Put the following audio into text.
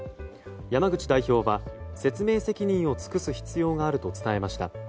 山口代表は説明責任を尽くす必要があると伝えました。